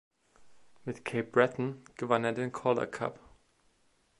Mit Cape Breton gewann er den Calder Cup.